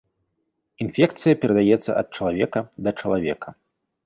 Інфекцыя перадаецца ад чалавека да чалавека.